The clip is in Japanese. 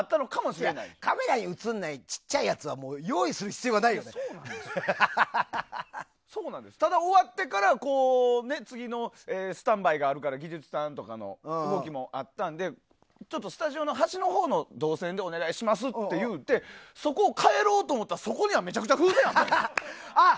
カメラに映ってない小さいやつはただ、終わってから次のスタンバイがあるから技術さんとかの動きもあったのでスタジオの端のほうの動線でお願いしますって言うてそこを帰ろうと思ったらそこにはめちゃくちゃ風船あったの。